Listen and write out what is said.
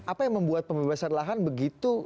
apa yang membuat pembebasan lahan begitu